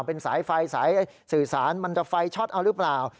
เป็นสายไฟสายสื่อสารมันจะไฟช็อตเอาหรือเปล่า